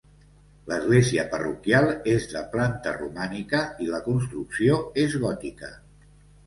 L'església parroquial és de planta romànica i la construcció és gòtica.